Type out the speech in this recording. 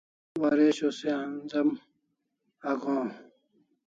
waresho se anz'em agohaw